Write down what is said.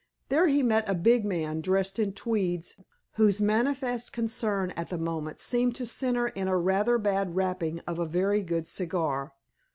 There he met a big man, dressed in tweeds, whose manifest concern at the moment seemed to center in a rather bad wrapping of a very good cigar.